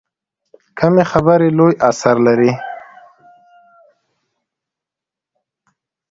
کمې خبرې، لوی اثر لري.